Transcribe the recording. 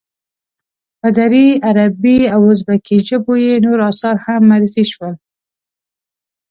په دري، عربي او ازبکي ژبو یې نور آثار هم معرفی شول.